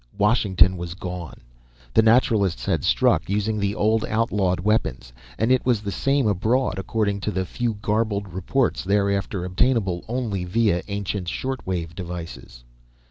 Washington was gone. The Naturalists had struck, using the old, outlawed weapons. And it was the same abroad, according to the few garbled reports thereafter obtainable only via ancient shortwave devices.